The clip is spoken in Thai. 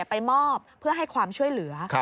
ไปมอบเพื่อให้ความช่วยเหลือ